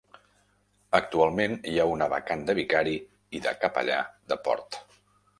Actualment hi ha una vacant de vicari i de capellà de port.